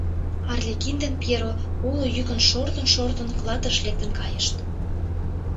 Арлекин ден Пьеро уло йӱкын шортын-шортын, клатыш лектын кайышт.